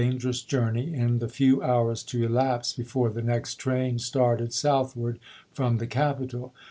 gerous journey, in the few hours to elapse before the next train started southward from the capital.